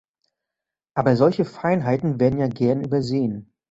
Aber solche Feinheiten werden ja gern übersehen.